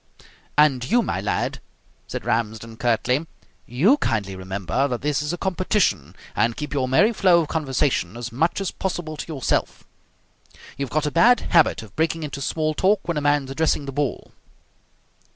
"And you, my lad," said Ramsden curtly, "you kindly remember that this is a competition, and keep your merry flow of conversation as much as possible to yourself. You've got a bad habit of breaking into small talk when a man's addressing the ball."